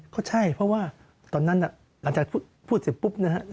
ก็ใช่เพราะว่าตอนนั้นหลังจากพูดเสร็จปุ๊บนะครับ